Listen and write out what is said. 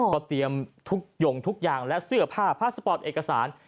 ก็เตรียมทุกหย่งทุกอย่างและเสื้อผ้าผ้าสปอร์ตเอกสาร